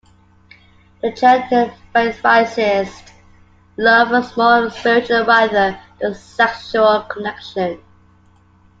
The Church emphasized love as more of a spiritual rather than sexual connection.